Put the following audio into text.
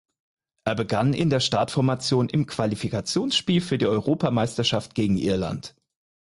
Er begann in der Startformation im Qualifikationsspiel für die Europameisterschaft gegen Irland.